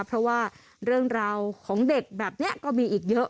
เพราะว่าเรื่องราวของเด็กแบบนี้ก็มีอีกเยอะ